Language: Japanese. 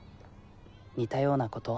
似たようなこと。